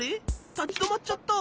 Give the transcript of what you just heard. たちどまっちゃった。